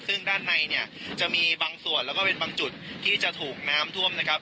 ซึ่งด้านในเนี่ยจะมีบางส่วนแล้วก็เป็นบางจุดที่จะถูกน้ำท่วมนะครับ